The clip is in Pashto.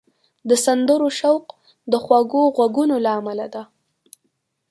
د سندرو شوق د خوږو غږونو له امله دی